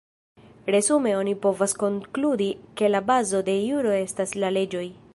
Resume oni povas konkludi ke la bazo de juro estas la leĝoj.